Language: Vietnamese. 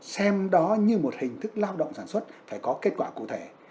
xem đó như một hình thức lao động sản xuất phải có kết quả cụ thể